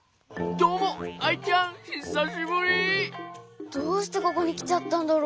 どうしてここにきちゃったんだろ？